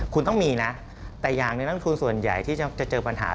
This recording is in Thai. คุณต้องมีนะแต่อย่างหนึ่งนักทุนส่วนใหญ่ที่จะเจอปัญหา